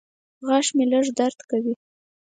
غاښ مې لږ درد کوي.